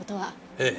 ええ。